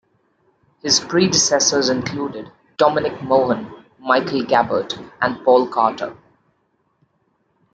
His predecessors included Dominic Mohan, Michael Gabbert and Paul Carter.